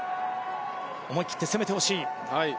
思い切って攻めてほしい。